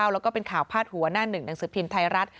แล้วก็เป็นข่าวพาดหัวหน้าหนึ่งหนังสือพิมพ์ไทยรัฐ